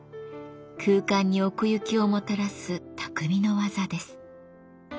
空間に奥行きをもたらす匠の技です。